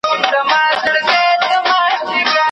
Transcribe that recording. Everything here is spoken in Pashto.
سبا اختر دی خو د چا اختر دی